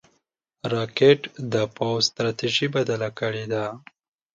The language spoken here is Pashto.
راکټ د پوځ ستراتیژي بدله کړې ده